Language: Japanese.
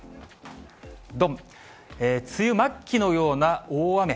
どん、梅雨末期のような大雨。